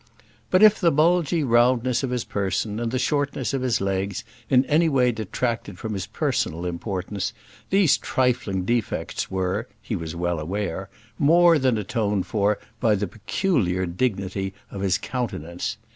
But if the bulgy roundness of his person and the shortness of his legs in any way detracted from his personal importance, these trifling defects were, he was well aware, more than atoned for by the peculiar dignity of his countenance.